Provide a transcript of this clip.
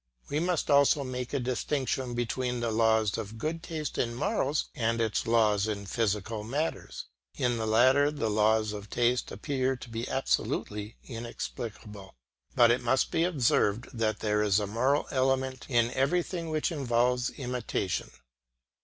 We must also make a distinction between the laws of good taste in morals and its laws in physical matters. In the latter the laws of taste appear to be absolutely inexplicable. But it must be observed that there is a moral element in everything which involves imitation.